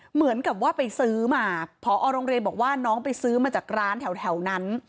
เหมือนกับว่าไปซื้อมาพอโรงเรียนบอกว่าน้องไปซื้อมาจากร้านแถวนั้น